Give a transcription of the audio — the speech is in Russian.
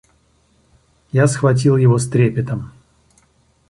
Я схватил его с трепетом.